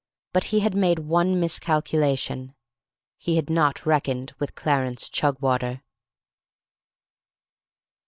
But he had made one miscalculation. He had not reckoned with Clarence Chugwater.